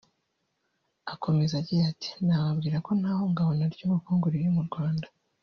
Akomeza agira ati “Nababwira ko nta hungabana ry’ubukungu riri mu Rwanda